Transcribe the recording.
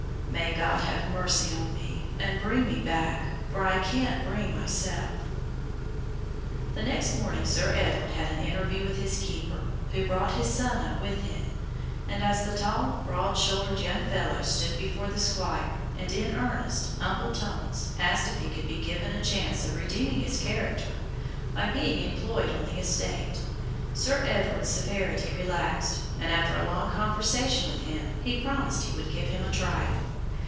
"May God have mercy on me, and bring me back, for I can't bring myself!" The next morning Sir Edward had an interview with his keeper, who brought his son up with him, and as the tall, broad shouldered young fellow stood before the squire, and in earnest, humble tones asked if he could be given a chance of redeeming his character by being employed on the estate, Sir Edward's severity relaxed, and after a long conversation with him he promised he would give him a trial.